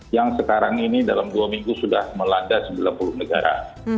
yang sekarang ini dalam dua minggu sudah melanda sembilan puluh negara